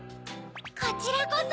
こちらこそ！